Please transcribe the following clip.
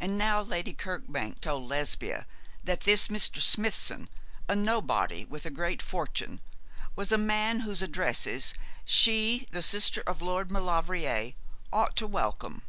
And now Lady Kirkbank told Lesbia that this Mr. Smithson, a nobody with a great fortune, was a man whose addresses she, the sister of Lord Maulevrier, ought to welcome.